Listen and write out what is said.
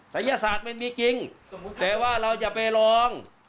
ศัยศาสตร์มันมีจริงแต่ว่าเราจะไปลอง